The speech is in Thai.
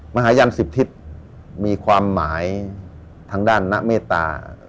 มหายัน๑๐ทิศมีความหมายทางด้านณเมตตา